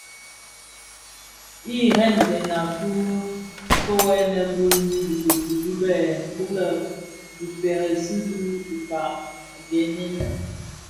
Jremzèna ki kōghènè bi bitoki bi lè dhi pèrèsi dhi dhikpag gèènë.